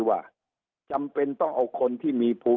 สุดท้ายก็ต้านไม่อยู่